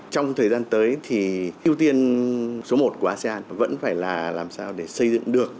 trong thời gian tới thì ưu tiên số một của asean vẫn phải là làm sao để xây dựng được